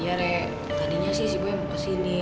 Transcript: iya rek tadinya sih si boy mau kesini